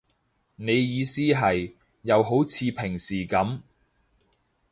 你意思係，又好似平時噉